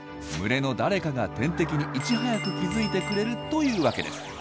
群れの誰かが天敵にいち早く気付いてくれるというわけです。